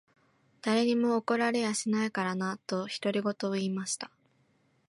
誰にも怒られやしないからな。」と、独り言を言いました。